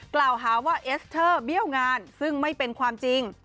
กล่าวหาว่าเอสเตอร์เบี้ยวงานซึ่งไม่เป็นความจริง